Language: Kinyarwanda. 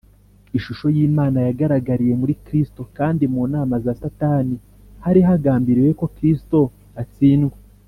. Ishusho y’Imana yagaragariye muri Kristo, kandi mu nama za Satani hari hagambiriwe ko Kristo atsindwa.